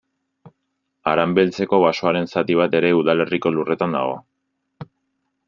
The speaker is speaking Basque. Haranbeltzeko basoaren zati bat ere udalerriko lurretan dago.